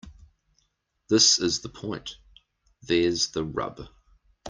This is the point. There's the rub.